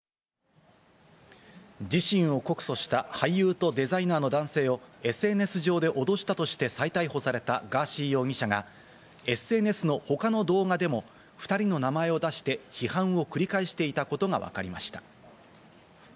自身を告訴した俳優とデザイナーの男性をＳＮＳ上で脅したとして再逮捕されたガーシー容疑者がＳＮＳの他の動画でも、２人の名前を出して批判を繰り返していたことがわかりました。